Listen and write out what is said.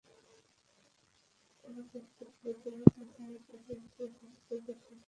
এই গোষ্ঠীতে বেশিরভাগই মোহাম্মাদ এজেন্সির উপজাতিদের দক্ষিণ পাঞ্জাবের পাঞ্জাবি তালেবানের কিছু সদস্যের সাথে ছিল।